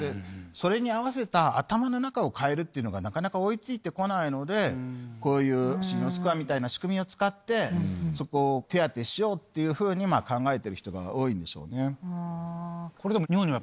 それに合わせた頭の中を変えるっていうのがなかなか追い付いて来ないのでこういう信用スコアみたいな仕組みを使ってそこを手当てしようっていうふうに考えてる人が多いんでしょうね。